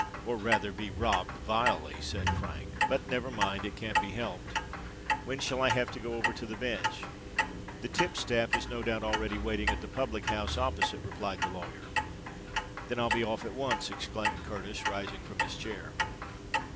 "Or rather be robbed vilely," said Frank. "But never mind—it can't be helped. When shall I have to go over to the Bench?" "The tipstaff is no doubt already waiting at the public house opposite," replied the lawyer. "Then I'll be off at once," exclaimed Curtis, rising from his chair.